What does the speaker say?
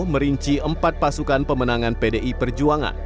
merinci empat pasukan pemenangan pdi perjuangan